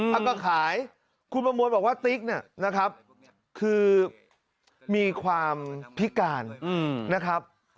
แล้วก็ขายคุณประมวลบอกว่าติ๊กเนี่ยนะครับคือมีความพิการนะครับ